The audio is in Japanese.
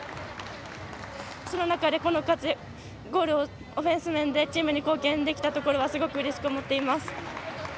その中で、ゴールをオフェンス面でチームに貢献できたところはすごくうれしく思っています。